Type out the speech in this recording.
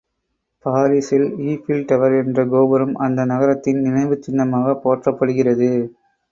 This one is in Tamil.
பாரிசில் ஈஃபில் டவர் என்ற கோபுரம் அந்த நகரத்தின் நினைவுச்சின்னமாகப் போற்றப்படுகிறது.